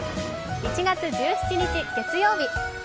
１月１７日月曜日。